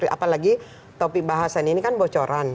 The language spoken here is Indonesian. apalagi topik bahasan ini kan bocoran